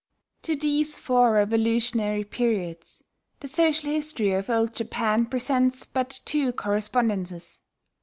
] To these four revolutionary periods, the social history of Old Japan presents but two correspondences.